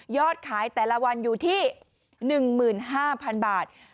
ขายแต่ละวันอยู่ที่๑๕๐๐๐บาท